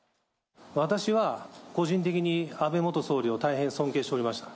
私は、個人的に安倍元総理を大変尊敬しておりました。